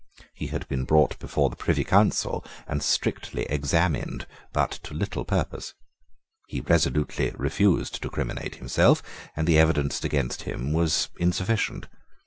He had been brought before the Privy Council and strictly examined, but to little purpose. He resolutely refused to criminate himself; and the evidence against him was insufficient.